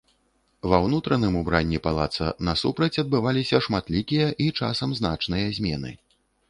Ва ўнутраным убранні палаца насупраць адбываліся шматлікія і часам значныя змены.